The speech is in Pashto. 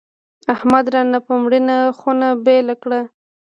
احمد رانه په مړینه خونه بېله کړه.